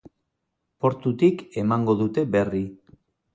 Portutik emango dute berri.